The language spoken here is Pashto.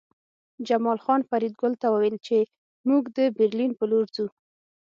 جمال خان فریدګل ته وویل چې موږ د برلین په لور ځو